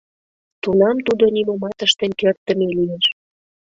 Тунам тудо нимомат ыштен кертдыме лиеш.